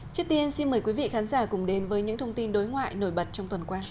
trước tiên xin mời quý vị khán giả cùng đến với những thông tin đối ngoại nổi bật trong tuần qua